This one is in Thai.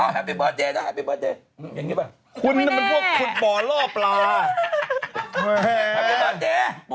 แฮปปี้เบอร์สเดยนะแฮปปี้เบอร์สเดย